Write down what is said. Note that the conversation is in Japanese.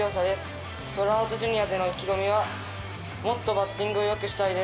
スワローズジュニアでの意気込みはもっとバッティングを良くしたいです。